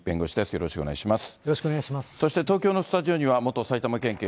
よろしくお願いします。